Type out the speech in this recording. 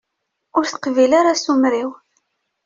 Ur teqbil ara asumer-iw.